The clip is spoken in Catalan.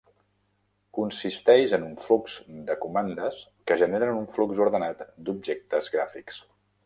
Consisteix en un flux de comandes que generen un flux ordenat d'objectes gràfics.